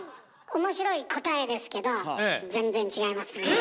面白い答えですけど全然違いますね。